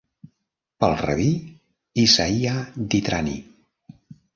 Pel rabí Isaiah di Trani.